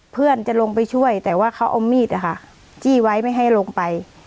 เพื่อนจะลงไปช่วยแต่ว่าเขาเอามีดจี้ไว้ไม่ให้ลงไป